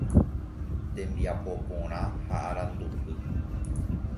Tembiapoporã ha Arandupy